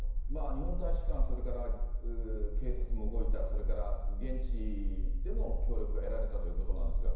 日本大使館、それから警察も動いた、それから現地でも協力が得られたということなんですが。